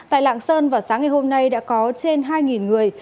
tại lạng sơn vào sáng ngày hôm nay đã có trên hai người